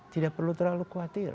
tidak perlu terlalu kuat